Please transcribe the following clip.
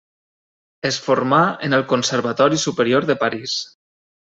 Es formà en el Conservatori Superior de París.